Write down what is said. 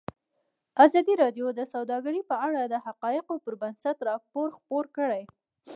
ازادي راډیو د سوداګري په اړه د حقایقو پر بنسټ راپور خپور کړی.